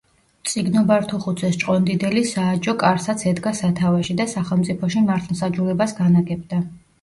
მწიგნობართუხუცეს-ჭყონდიდელი „სააჯო კარსაც“ ედგა სათავეში და სახელმწიფოში მართლმსაჯულებას განაგებდა.